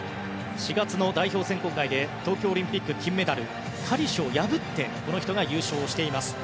４月の代表選考会で東京オリンピック金メダルカリシュを破ってこの人が優勝しています。